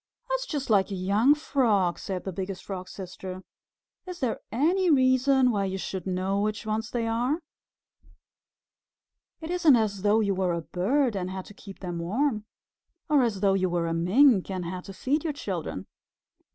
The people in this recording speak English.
"That's just like a young Frog," said the Biggest Frog's Sister. "Is there any reason why you should know which ones they are? It isn't as though you were a bird and had to keep them warm, or as though you were a Mink and had to feed your children.